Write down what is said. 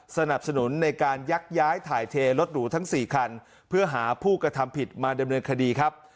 สนับสนุนในการยักย้ายถ่ายเทรถหรูทั้ง๔คันเพื่อหาผู้กระทำผิดมาดำเนินคดีครับ